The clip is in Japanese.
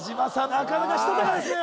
なかなかしたたかですね